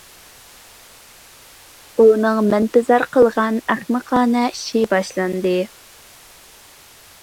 ئۇنىڭ مەن پەرەز قىلغان ئەخمىقانە ئىشى باشلاندى.